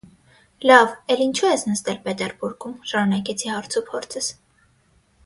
- Լավ, էլ ինչո՞ւ ես նստել Պետերբուրգում,- շարունակեցի հարցուփորձս: